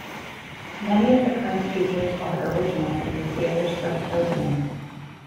Many of the current features are original from the theatre's first opening.